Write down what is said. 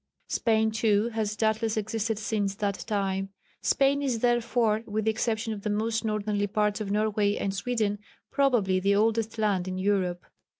Spain, too, has doubtless existed since that time. Spain is, therefore, with the exception of the most northerly parts of Norway and Sweden, probably the oldest land in Europe.